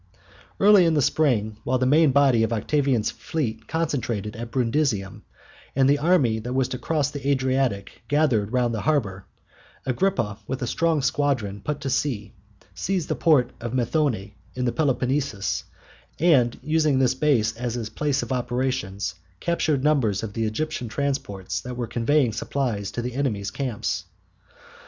Early in the spring, while the main body of Octavian's fleet concentrated at Brundusium, and the army that was to cross the Adriatic gathered around the harbour, Agrippa with a strong squadron put to sea, seized the port of Methone in the Peloponnesus, and using this place as his base of operations captured numbers of the Egyptian transports that were conveying supplies to the enemy's camps.